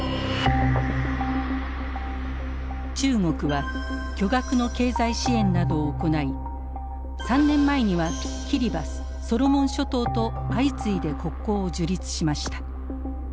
中国は巨額の経済支援などを行い３年前にはキリバスソロモン諸島と相次いで国交を樹立しました。